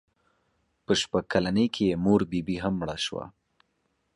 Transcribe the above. په شپږ کلنۍ کې یې مور بي بي هم مړه شوه.